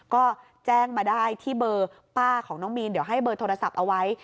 ก็แจ้งมาได้ที่เบอร์ป้าของน้องมีนเดี๋ยวให้เบอร์โทรศัพท์เอาไว้